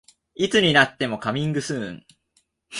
いつになってもカミングスーン